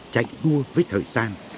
chạy đua với thời gian